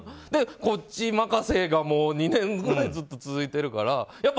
で、こっち任せが２年ぐらいずっと続いてるから。